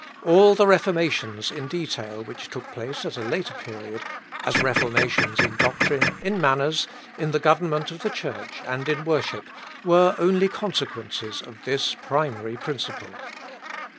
All the reformations in detail which took place at a later period, as reformations in doctrine, in manners, in the government of the Church, and in worship, were only consequences of this primary principle.